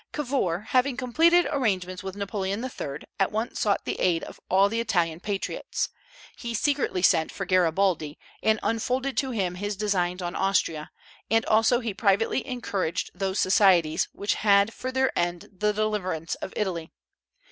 Cavour, having completed arrangements with Napoleon III., at once sought the aid of all the Italian patriots. He secretly sent for Garibaldi, and unfolded to him his designs on Austria; and also he privately encouraged those societies which had for their end the deliverance of Italy.